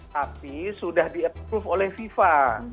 tapi sudah di approve oleh fifa